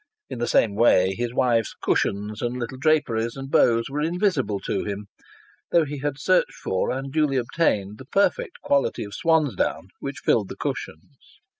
(In the same way his wife's cushions and little draperies and bows were invisible to him, though he had searched for and duly obtained the perfect quality of swansdown which filled the cushions.)